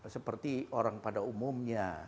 seperti orang pada umumnya